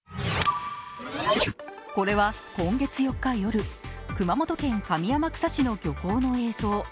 これは今月４日夜、熊本県上天草市の漁港の映像。